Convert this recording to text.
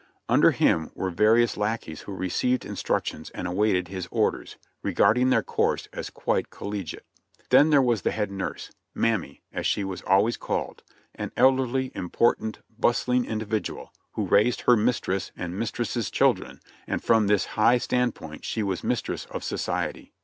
Under him were various lackeys who received instruc tions and awaited his orders, regarding their course as quite col legiate. Then there was the head nurse, "Mammy," as she was always called — an elderly, important, bustling individual, who raised her mistress, and mistress's children, and from this high standpoint she was mistress of society.